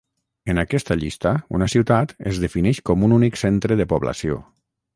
En aquesta llista, una ciutat es defineix com un únic centre de població.